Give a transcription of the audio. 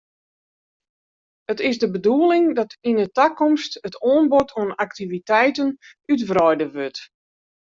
It is de bedoeling dat yn 'e takomst it oanbod oan aktiviteiten útwreide wurdt.